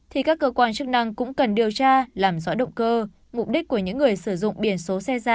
thì các cơ quan chức năng cũng cần điều tra làm rõ động cơ mục đích của những người sử dụng biển số xe giả